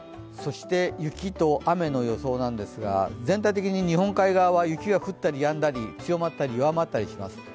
雪と雨の予想なんですが全体的に日本海側は雪が降ったりやんだり強まったり弱まったりします。